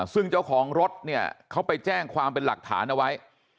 ซึ่งเจ้าของรถเนี่ยเขาไปแจ้งความเป็นหลักฐานเอาไว้